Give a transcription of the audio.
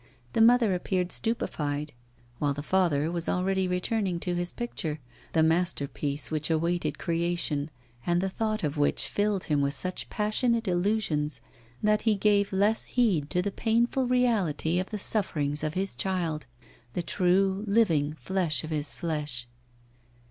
The mother appeared stupefied; while the father was already returning to his picture, the masterpiece which awaited creation, and the thought of which filled him with such passionate illusions that he gave less heed to the painful reality of the sufferings of his child, the true living flesh of his flesh.